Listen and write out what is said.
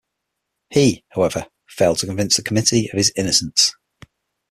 He, however, failed to convince the committee of his innocence.